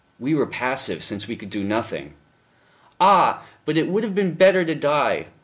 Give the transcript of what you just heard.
We were passive, since we could do nothing." "Ah! but it would have been better to die....